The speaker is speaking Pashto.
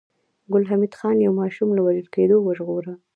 ګل حمید خان يو ماشوم له وژل کېدو وژغوره